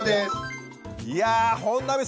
いや本並さん